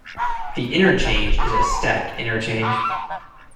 The interchange is a stack interchange.